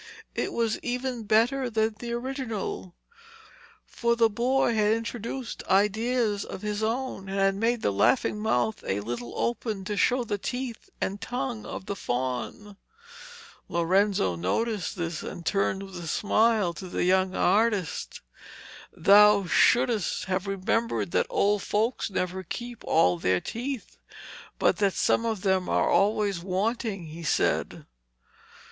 It was even better than the original, for the boy had introduced ideas of his own and had made the laughing mouth a little open to show the teeth and the tongue of the faun. Lorenzo noticed this, and turned with a smile to the young artist. 'Thou shouldst have remembered that old folks never keep all their teeth, but that some of them are always wanting,' he said.